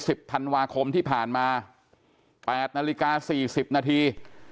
สิบธันวาคมที่ผ่านมาแปดนาฬิกาสี่สิบนาที